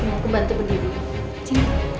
aku bantu berdiri